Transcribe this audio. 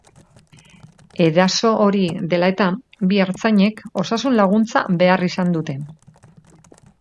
Eraso hori dela eta, bi ertzainek osasun-laguntza behar izan dute.